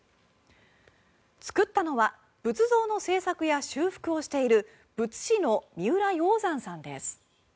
作ったのは仏像の制作や修復をしている仏師の三浦耀山さんです。